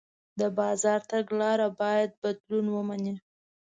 د بازار تګلاره باید بدلون ومني.